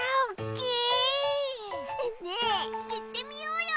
ねえいってみようよ！